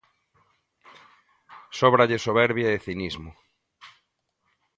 Sóbralle soberbia e cinismo.